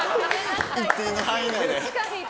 一定の範囲内で。